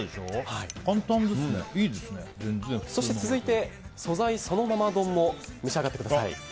続いて、素材そのまま丼も召し上がってください。